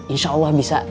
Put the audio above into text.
insya allah bisa